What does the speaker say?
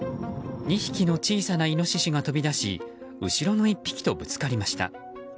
２匹の小さなイノシシが飛び出し後ろの１匹とぶつかりました。